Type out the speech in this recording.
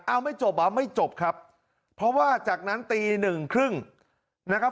เอาไม่จบเหรอไม่จบครับเพราะว่าจากนั้นตีหนึ่งครึ่งนะครับ